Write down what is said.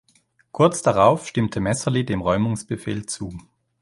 Kurz darauf stimmte Messerli dem Räumungsbefehl zu.